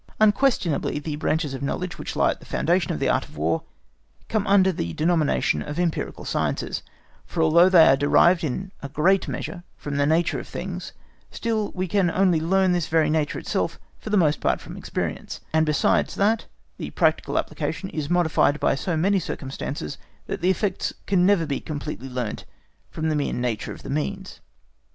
Unquestionably the branches of knowledge which lie at the foundation of the Art of War come under the denomination of empirical sciences; for although they are derived in a great measure from the nature of things, still we can only learn this very nature itself for the most part from experience; and besides that, the practical application is modified by so many circumstances that the effects can never be completely learnt from the mere nature of the means.